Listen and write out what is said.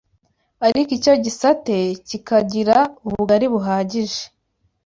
ariko icyo gisate kikagira ubugari buhagije